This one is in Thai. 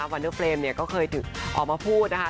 วันเดอร์เฟรมเนี่ยก็เคยออกมาพูดนะคะ